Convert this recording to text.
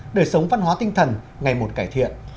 đời sống văn hóa tinh thần ngày một cải thiện